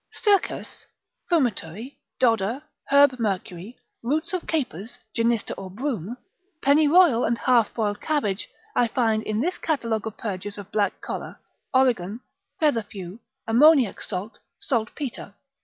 Stoechas, fumitory, dodder, herb mercury, roots of capers, genista or broom, pennyroyal and half boiled cabbage, I find in this catalogue of purgers of black choler, origan, featherfew, ammoniac salt, saltpetre.